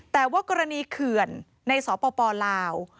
แต่ว่ากรณีเขื่อนในสปลาว